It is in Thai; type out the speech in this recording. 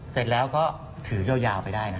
เสร็จแล้วก็ถือยาวไปได้นะ